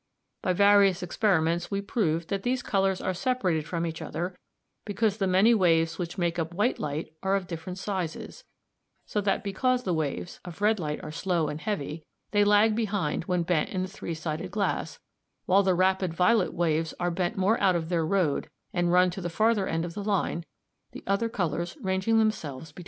By various experiments we proved that these colours are separated from each other because the many waves which make up white light are of different sizes, so that because the waves, of red light are slow and heavy, they lag behind when bent in the three sided glass, while the rapid violet waves are bent more out of their road and run to the farther end of the line, the other colours ranging themselves between."